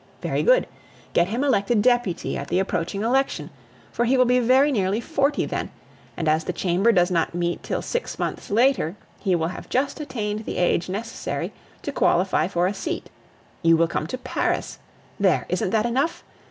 Very good; get him elected deputy at the approaching election, for he will be very nearly forty then; and as the Chamber does not meet till six months later, he will have just attained the age necessary to qualify for a seat. You will come to Paris there, isn't that enough?